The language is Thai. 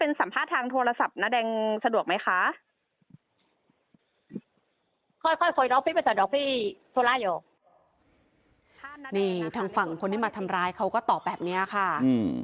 นี่ทางฝั่งคนที่มาทำร้ายเขาก็ตอบแบบนี้ค่ะ